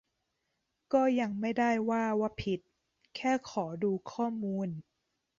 ก็ยังไม่ได้ว่าว่าผิด แค่ขอดูข้อมูล